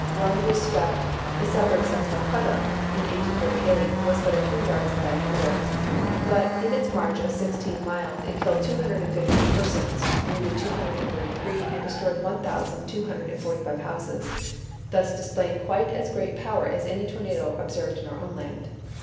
One which swept the suburbs of Calcutta, in 1838, was but a few yards in diameter; but in its march of sixteen miles, it killed two hundred and fifteen persons, wounded two hundred and thirty three, and destroyed one thousand two hundred and forty five houses: thus displaying quite as great power as any tornado observed in our own land.